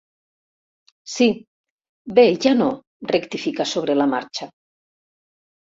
Sí, bé ja no —rectifica sobre la marxa—.